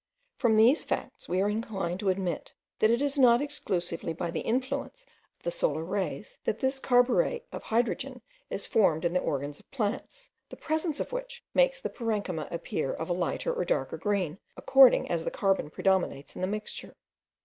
From these facts we are inclined to admit that it is not exclusively by the influence of the solar rays that this carburet of hydrogen is formed in the organs of plants, the presence of which makes the parenchyma appear of a lighter or darker green, according as the carbon predominates in the mixture.